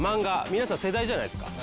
皆さん世代じゃないですか？